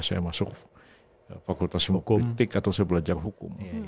saya masuk fakultas hukumtik atau saya belajar hukum